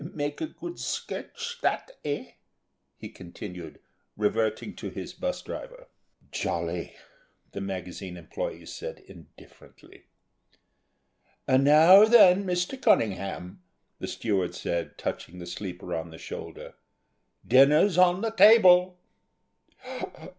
"Make a good sketch that, eh?" he continued, reverting to his bus driver. "Jolly!" the magazine employee said, indifferently. "Now, then, Mr. Cunningham," the steward said, touching the sleeper on the shoulder, "dinner's on the table."